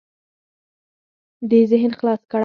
دې ذهن خلاص کړه.